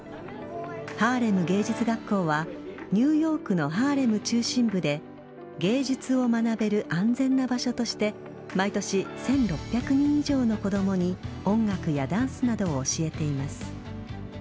ハーレム芸術学校はニューヨークのハーレム中心部で芸術を学べる安全な場所として毎年１６００人以上の子どもに音楽やダンスなどを教えています。